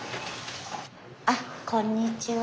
あこんにちは。